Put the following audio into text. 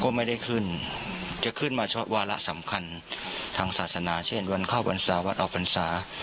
ก็ไม่ได้ขึ้นจะขึ้นมาเฉพาะวาระสำคัญทางศาสนาเช่นวันเข้าพรรษาวันออกพรรษา